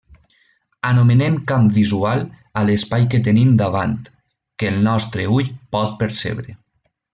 Anomenem camp visual a l'espai que tenim davant, que el nostre ull pot percebre.